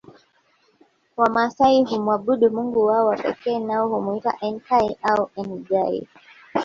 Wamasai humwabudu mungu wao wa pekee nao humwita Enkai au Engai